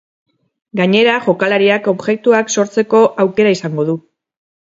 Gainera, jokalariak objektuak sortzeko aukera izango du.